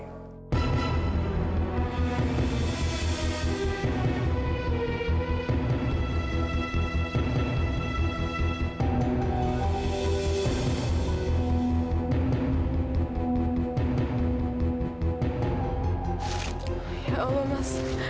ya allah mas